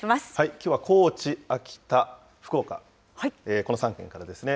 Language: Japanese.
きょうは高知、秋田、福岡、この３県からですね。